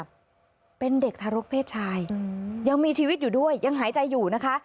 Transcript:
เป็นเด็กทารกเพศชายยังมีชีวิตอยู่ด้วยยังหายใจอยู่นะคะ